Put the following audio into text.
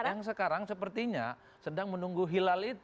yang sekarang sepertinya sedang menunggu hilal itu